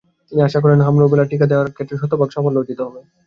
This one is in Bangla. তিনি আশা করেন, হাম-রুবেলা টিকা দেওয়ার ক্ষেত্রে শতভাগ সাফল্য অর্জিত হবে।